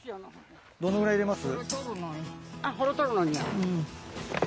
どのぐらい入れます？